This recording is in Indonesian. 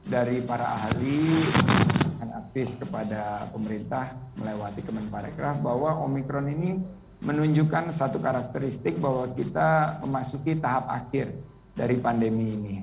dari para ahli aktif kepada pemerintah melewati kemenparekraf bahwa omikron ini menunjukkan satu karakteristik bahwa kita memasuki tahap akhir dari pandemi ini